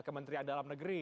kementerian dalam negeri